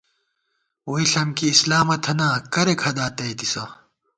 ووئی ݪم کی اسلامہ تھنا کرېک ہدا تئیتِسہ